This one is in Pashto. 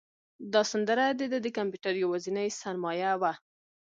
دا سندره د ده د کمپیوټر یوازینۍ سرمایه وه.